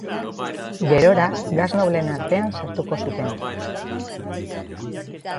Gerora Gas nobleen artean sartuko zuten.